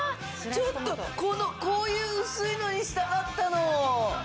ちょっとこのこういう薄いのにしたかったの！